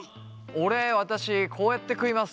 俺私こうやって食います。